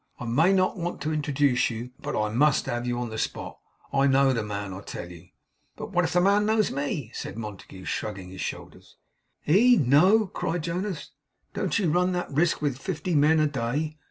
I may not want to introduce you, but I must have you on the spot. I know the man, I tell you.' 'But what if the man knows me?' said Montague, shrugging his shoulders. 'He know!' cried Jonas. 'Don't you run that risk with fifty men a day!